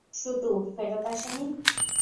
শুটু ফেরত আসেনি?